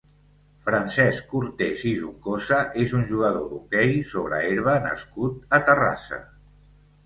Francesc Cortés i Juncosa és un jugador d'hoquei sobre herba nascut a Terrassa.